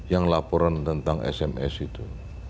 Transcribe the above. yang laporan tentang sms itu